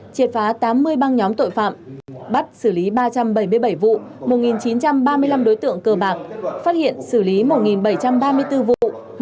triệt phá tám mươi băng nhóm tội phạm bắt xử lý ba trăm bảy mươi bảy vụ một chín trăm ba mươi năm đối tượng cờ bạc phát hiện xử lý một bảy trăm ba mươi bốn vụ